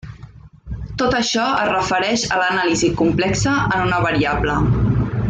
Tot això es refereix a l'anàlisi complexa en una variable.